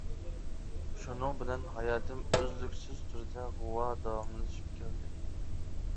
شۇنىڭ بىلەن ھاياتىم ئۈزلۈكسىز تۈردە غۇۋا داۋاملىشىپ كەلدى.